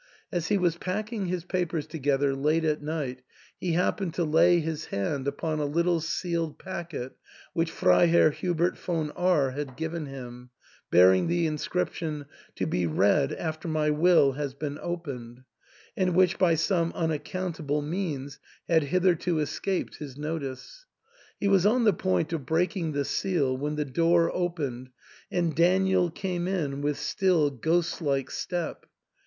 As he was pack ing his papers together late at night, he happened to lay his hand upon a little sealed packet which Freiherr Hubert von R had given him, bearing the inscrip tion, " To be read after my will has been opened," and which by some unaccountable means had hitherto es caped his notice. He was on the point of breaking the seal when the door opened and Daniel came in with still, ghostlike step.